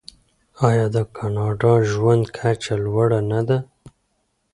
آیا د کاناډا ژوند کچه لوړه نه ده؟